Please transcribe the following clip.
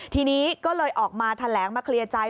ทีนี้ก็เลยออกมาแถลงมาเคลียร์ใจ